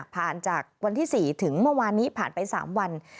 ผ่านจากวันที่๔ถึงเมื่อวานนี้ผ่านไป๓วัน